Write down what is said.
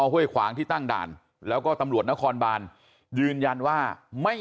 ห้วยขวางที่ตั้งด่านแล้วก็ตำรวจนครบานยืนยันว่าไม่